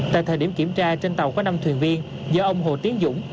tại thời điểm kiểm tra trên tàu có năm thuyền viên do ông hồ tiến dũng